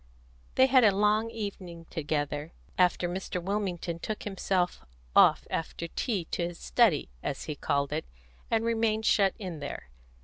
They had a long evening together, after Mr. Wilmington took himself off after tea to his study, as he called it, and remained shut in there.